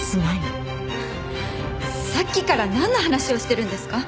さっきからなんの話をしてるんですか？